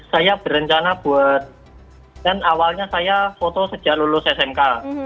saya berencana buat dan awalnya saya foto sejak lulus smk